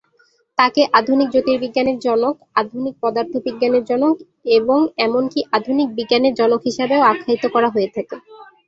তাঁকে আধুনিক জ্যোতির্বিজ্ঞানের জনক, আধুনিক পদার্থবিজ্ঞানের জনক এবং এমনকি আধুনিক বিজ্ঞানের জনক হিসেবেও আখ্যায়িত করা হয়ে থাকে।